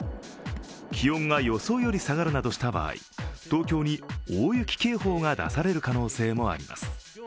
気温が予想より下がるなどした場合東京に大雪警報が出される可能性もあります。